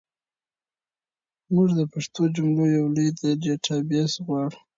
موږ د پښتو جملو یو لوی ډیټابیس غواړو.